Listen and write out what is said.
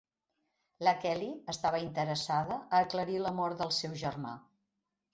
La Kelly estava interessada a aclarir la mort del seu germà.